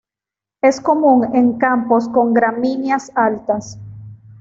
Es común en campos con gramíneas altas.